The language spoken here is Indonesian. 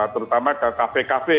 terutama ke kafe kafe